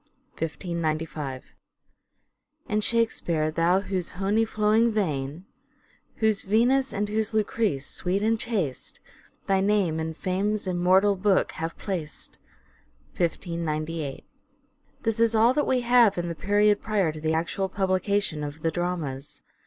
(I595 )" And Shakespeare, thou whose hony flowing vaine Whose Venus, and whose Lucrece sweet and chaste, Thy name in fames immortall booke have plac't." (1598.) 70 'SHAKESPEARE" IDENTIFIED This is all that we have in the period prior to the actual publication of the dramas.